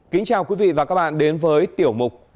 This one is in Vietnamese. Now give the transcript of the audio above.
kính chào quý vị và các bạn đến với tiểu mục